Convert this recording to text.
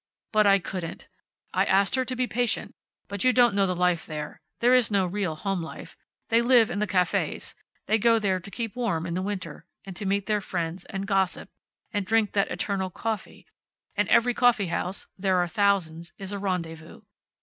"But I couldn't. I asked her to be patient. But you don't know the life there. There is no real home life. They live in the cafes. They go there to keep warm, in the winter, and to meet their friends, and gossip, and drink that eternal coffee, and every coffee house there are thousands is a rendezvous.